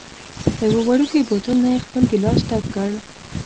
له یوه وړوکي بوتل نه یې خپل ګېلاس ډک کړ.